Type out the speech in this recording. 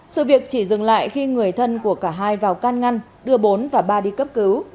sự việc chỉ dừng lại khi người thân của cả hai vào can ngăn đưa bốn và ba đi cấp cứu